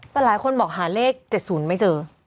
แต่หลายคนบอกหาเลข๗๐ไม่เจอ